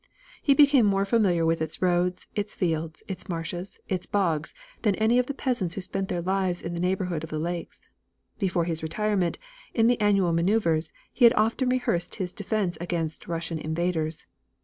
He became more familiar with its roads, its fields, its marshes, its bogs than any of the peasants who spent their lives in the neighborhood of the lakes. Before his retirement, in the annual maneuvers, he had often rehearsed his defense against Russian invaders.